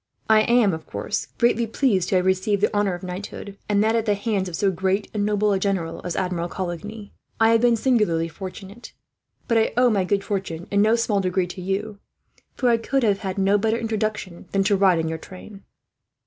I am, of course, greatly pleased to receive the honour of knighthood, and that at the hands of so great and noble a general as Admiral Coligny. I have been singularly fortunate, but I owe my good fortune in no small degree to you; for I could have had no better introduction than to ride in your train."